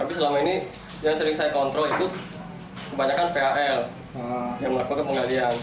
tapi selama ini yang sering saya kontrol itu kebanyakan pal yang melakukan penggalian